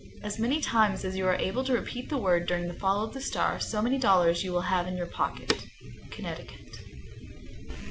As many times as you are able to repeat the word during the fall of the star, so many dollars you will have in your pocket. _Connecticut.